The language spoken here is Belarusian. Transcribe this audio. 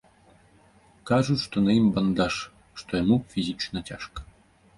Кажуць, што на ім бандаж, што яму фізічна цяжка.